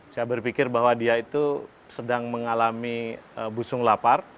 saya berpikir bahwa dia itu sedang mengalami busung lapar